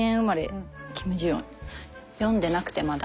読んでなくてまだ。